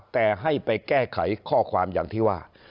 แต่ให้ไปแก้ไขข้อความอย่างที่ว่า